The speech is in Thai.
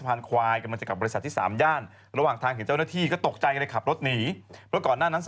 เวลาไหนที่ยาชนะสติคุณ